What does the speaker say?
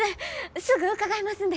すぐ伺いますんで！